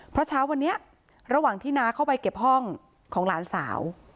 เพราะเช้าวันนี้ระหว่างที่น้าเข้าไปเก็บห้องของหลานสาว